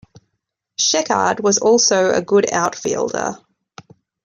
Sheckard was also a good outfielder.